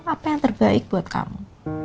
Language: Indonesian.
apa yang terbaik buat kamu